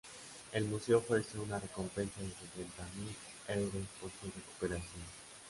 El museo ofreció una recompensa de setenta mil euros por su recuperación.